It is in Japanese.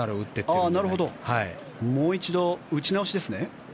もう一度打ち直しですね。